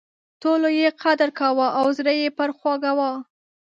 ټولو یې قدر کاوه او زړه یې پر خوږاوه.